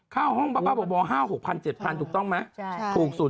ค่าห้องประพบ๕๐๐๐๖๐๐๐๗๐๐๐ถูกต้องไหมถูกสุด